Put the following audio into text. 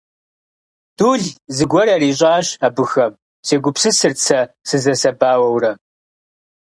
«Дул зыгуэр ярищӀащ абыхэм», – сегупсысырт сэ сызэсэбауэурэ.